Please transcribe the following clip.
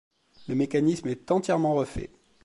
Le mécanisme est entièrement refait.